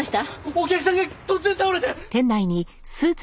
お客さんが突然倒れて。